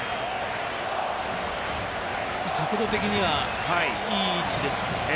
角度的にはいい位置ですけどね。